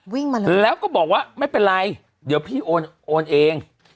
วิ่งมาเลยแล้วก็บอกว่าไม่เป็นไรเดี๋ยวพี่โอนเอง